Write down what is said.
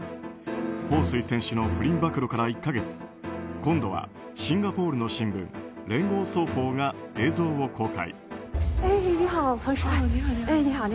ホウ・スイ選手の不倫暴露から１か月今度は、シンガポールの新聞聯合早報が映像を公開。